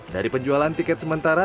dari penjualan tiket sementara